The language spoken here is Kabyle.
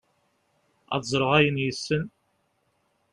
ad ẓreɣ ayen yessen